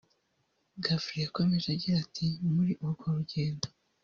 Ghafri yakomeje agira ati “Muri urwo rugendo